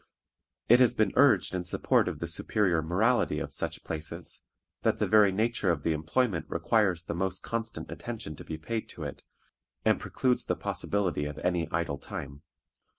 It has been urged in support of the superior morality of such places, that the very nature of the employment requires the most constant attention to be paid to it, and precludes the possibility of any idle time.